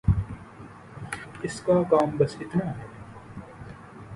اس کا کام بس اتنا ہے۔